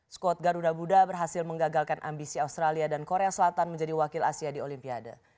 skuad garuda budha berhasil menggagalkan ambisi australia dan korea selatan menjadi wakil asia di olimpiade